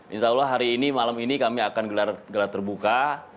insya allah hari ini malam ini kami akan gelar terbuka